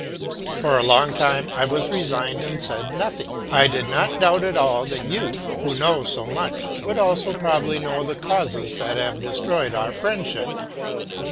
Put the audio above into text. For a long time I was resigned and said nothing. I did not doubt at all that you, who know so much, would also probably know the causes that have destroyed our friendship.